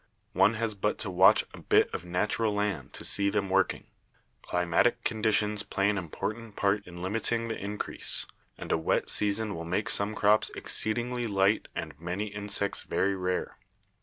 One has but to watch a bit of natural land to see them working. Climatic conditions play an important part in limiting the increase, and a wet season will make some crops exceedingly light and many insects very rare.